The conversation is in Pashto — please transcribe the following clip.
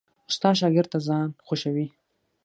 استاد شاګرد ته ځان خوښوي.